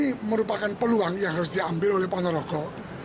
ini merupakan peluang yang harus diambil oleh ponorogo